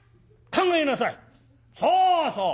そうそう！